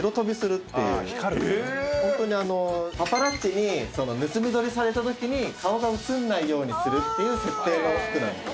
ホントにあのパパラッチに盗み撮りされた時に顔が写んないようにするっていう設定の服なんです。